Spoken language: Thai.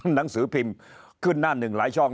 หนังสือพิมพ์ขึ้นหน้าหนึ่งหลายช่อง